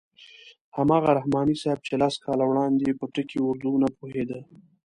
هماغه رحماني صاحب چې لس کاله وړاندې په ټکي اردو نه پوهېده.